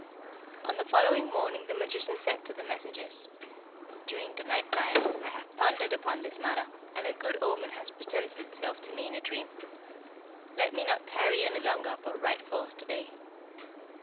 "On the following morning the magician said to the messengers, 'During the night time I have pondered upon this matter, and a good omen has presented itself to me in a dream. Let me not tarry any longer but ride forth to day.'